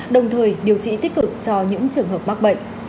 đồng thời điều trị tích cực cho những trường hợp mắc bệnh